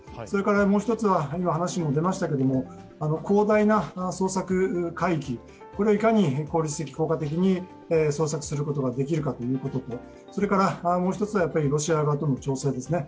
もう一つは、広大な捜索海域をいかに効率的、効果的に捜索することができるかということと、それからもう一つはロシア側との調整ですね。